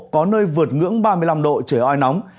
có nơi vượt ngưỡng ba mươi năm độ trời oi nóng